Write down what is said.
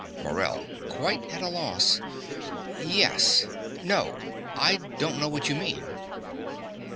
MORELL (quite at a loss). Yes. No. I don't know what you mean.